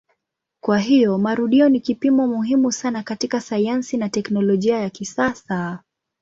Kwa hiyo marudio ni kipimo muhimu sana katika sayansi na teknolojia ya kisasa.